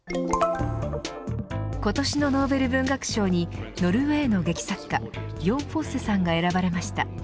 今年のノーベル文学賞にノルウェーの劇作家ヨン・フォッセさんが選ばれました。